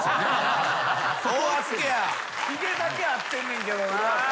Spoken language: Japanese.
ひげだけ合ってんねんけどな。